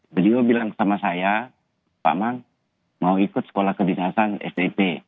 beliau bilang sama saya pak mang mau ikut sekolah kedinasan sdp